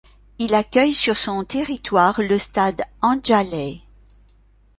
Il accueille sur son territoire le Stade Anjalay.